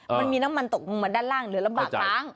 มันมีน้ำมันตกลงมาด้านล่างเหลือลำบากล้าง